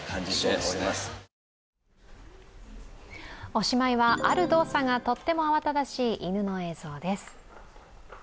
おしまいは、ある動作がとっても慌ただしい犬の映像です。